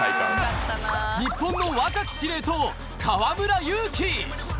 日本の若き司令塔・河村勇輝。